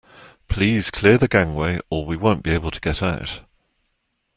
Please clear the gangway or we won't be able to get out